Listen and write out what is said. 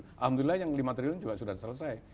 alhamdulillah yang lima triliun juga sudah selesai